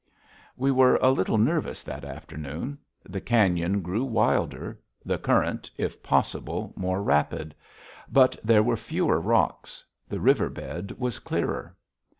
We were a little nervous that afternoon. The cañon grew wilder; the current, if possible, more rapid. But there were fewer rocks; the river bed was clearer.